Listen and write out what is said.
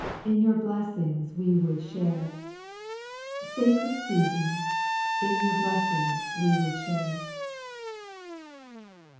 In your blessings we would share, — Sacred seasons, In your blessings we would share.